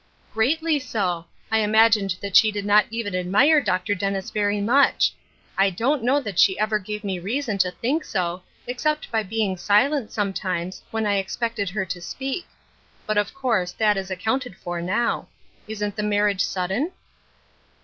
"" Greatly so. I imagined that she did not even admire Dr. Dennis very much. I don't know that she ever gave me reason to think so, except by being silent sometimes, when I expected her to speak; but of course that is accounted for now. Isn't the marriage sudden